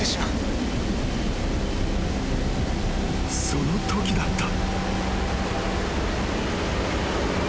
［そのときだった］